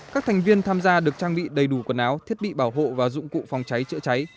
các thành viên tham gia được trang bị đầy đủ quần áo thiết bị bảo hộ và dụng cụ phòng cháy chữa cháy